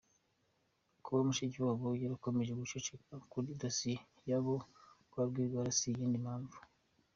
Kuba Mushikiwabo yarakomeje guceceka kuri dossier y’abo kwa Rwigara si iyindi mpamvu.